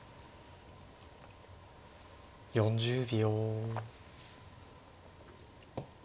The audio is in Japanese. ４０秒。